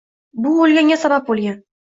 Bu o‘lganga sabab bo‘lgan